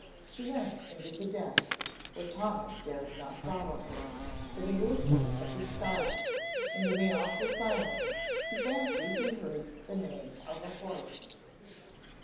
She went into the Den, where Tommy dared not follow her, but he listened at the stile and in the awful silence he fancied he heard the neighing of a horse.